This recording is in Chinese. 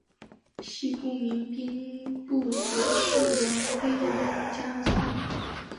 系故明兵部左侍郎魏应嘉孙。